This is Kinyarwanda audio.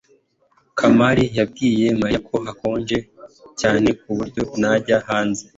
kamali yabwiye mariya ko hakonje cyane ku buryo ntajya hanze